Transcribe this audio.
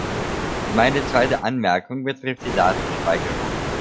Meine zweite Anmerkung betrifft die Datenspeicherung.